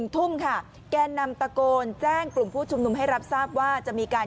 ทุ่มค่ะแกนนำตะโกนแจ้งกลุ่มผู้ชุมนุมให้รับทราบว่าจะมีการ